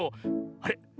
あれ？